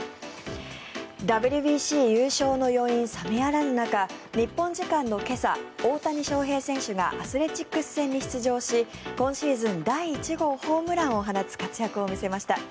ＷＢＣ優勝の余韻冷めやらぬ中日本時間の今朝、大谷翔平選手がアスレチックス戦に出場し今シーズン第１号ホームランを放つ活躍を見せました。